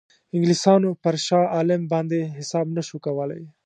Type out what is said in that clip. انګلیسانو پر شاه عالم باندې حساب نه شو کولای.